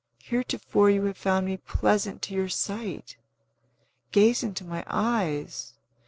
Heretofore you have found me pleasant to your sight. Gaze into my eyes!